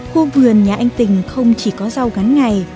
khu vườn nhà anh tình không chỉ có rau ngắn ngày